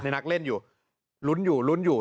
นักเล่นอยู่ลุ้นอยู่ลุ้นอยู่